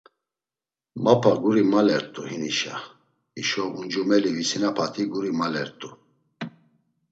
Mapa guri malert̆u hinişa, hişo uncumeli visinapati guri malert̆u.